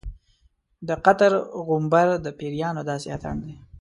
د قطر غومبر د پیریانو داسې اتڼ دی.